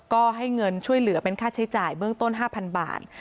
ก็ให้เงินช่วยเหลือเป็นค่าใช้จ่ายเบื้องต้น๕๐๐บาท